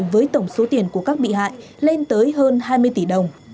với tổng số tiền của các bị hại lên tới hơn hai mươi tỷ đồng